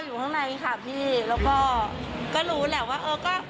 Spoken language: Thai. อยู่ข้างในค่ะพี่แล้วก็ก็รู้แหละว่าเออก็